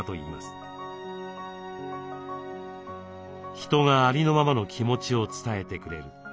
人がありのままの気持ちを伝えてくれる。